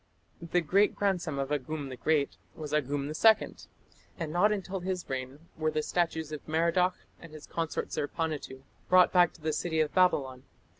The great grandson of Agum the Great was Agum II, and not until his reign were the statues of Merodach and his consort Zerpanituᵐ brought back to the city of Babylon.